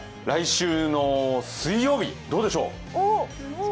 来週の水曜日、どうでしょう。